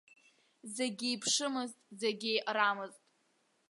Зегьы еиԥшымызт, зегь еиҟарамызт.